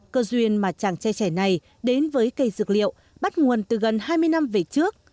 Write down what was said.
cơ duyên mà chàng trai trẻ này đến với cây dược liệu bắt nguồn từ gần hai mươi năm về trước